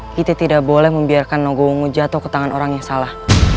kita tidak boleh membiarkan nogo ongo jatuh ke tangan orang yang salah